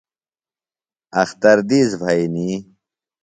اختر دِیس بھئنی۔